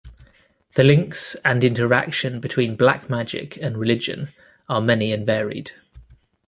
The links and interaction between black magic and religion are many and varied.